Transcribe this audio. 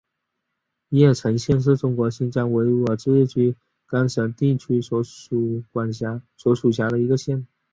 叶城县是中国新疆维吾尔自治区喀什地区所辖的一个县。